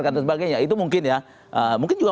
dan sebagainya itu mungkin ya mungkin juga